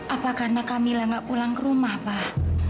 apa karena kamilah nggak pulang ke rumah pak